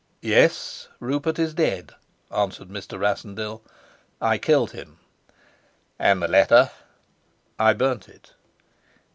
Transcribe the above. "Yes, Rupert is dead," answered Mr. Rassendyll: "I killed him." "And the letter?" "I burnt it."